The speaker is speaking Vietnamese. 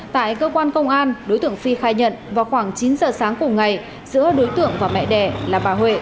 tại cơ quan công an đối tượng phi khai nhận vào khoảng chín giờ sáng cùng ngày giữa đối tượng và mẹ đẻ là bà huệ